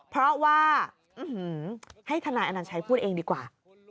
เพราะว่าให้ทนายอนัญชัยพูดเองดีกว่า